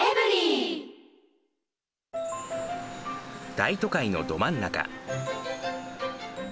大都会のど真ん中。